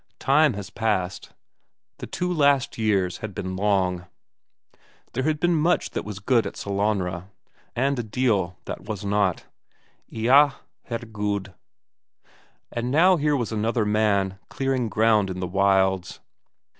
Time has passed, the two last years had been long; there had been much that was good at Sellanraa, and a deal that was not eyah, Herregud! And now here was another man clearing ground in the wilds.